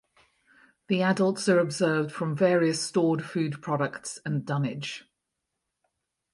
The adults are observed from various stored food products and dunnage.